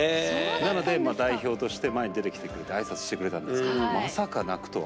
なので代表として前に出てきてくれて挨拶してくれたんですけどまさか泣くとは。